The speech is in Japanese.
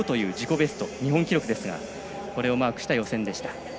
ベスト日本記録ですがこれをマークした予選でした。